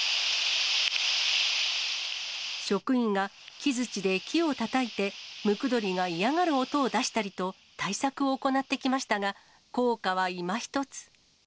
職員が木づちで木をたたいてムクドリが嫌がる音を出したりと、対策を行ってきましたが、効果はいまひとつ。